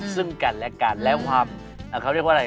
และการและความและเค้าเรียกว่าอะไร